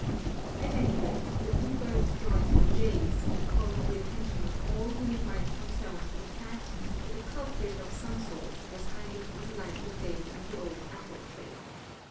At any rate, the bluebirds joined the jays, in calling the attention of all whom it might concern to the fact that a culprit of some sort was hiding from the light of day in the old apple tree.